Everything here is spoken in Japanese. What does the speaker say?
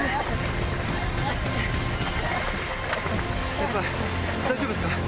先輩大丈夫ですか？